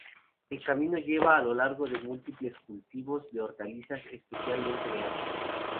El camino lleva a lo largo de múltiples cultivos de hortalizas, especialmente de ajo.